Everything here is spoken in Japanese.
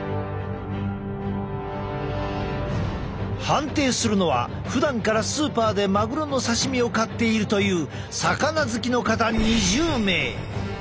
判定するのはふだんからスーパーでマグロの刺身を買っているという魚好きの方２０名。